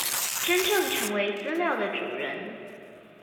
真正成為資料的主人